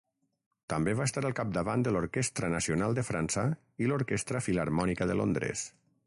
També va estar al capdavant de l'Orquestra Nacional de França i l'Orquestra Filharmònica de Londres.